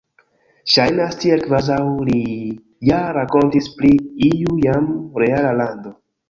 Ŝajnas tiel, kvazaŭ li ja rakontis pri iu jam reala lando.